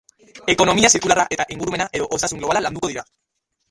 Ekonomia zirkularra eta ingurumena edo Osasun globala landuko dira.